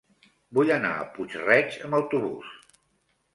Vull anar a Puig-reig amb autobús.